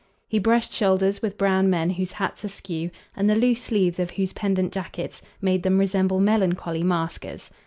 He brushed shoulders with brown men whose hats askew, and the loose sleeves of whose pendent jackets, made them resemble melancholy maskers.